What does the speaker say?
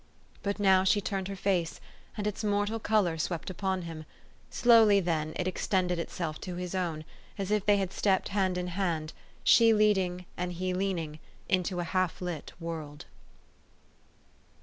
But now she turned her face, and its mortal color swept upon him. Slowly, then, it extended itself to his own, as if they had stepped hand in hand she leading and he leaning into a half lit world.